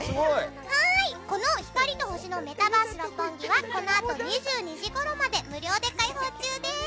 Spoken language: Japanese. この光と星のメタバース六本木はこのあと２２時ごろまで無料で開放中です。